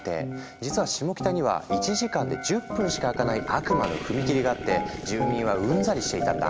実はシモキタには１時間で１０分しか開かない悪魔の踏切があって住民はうんざりしていたんだ。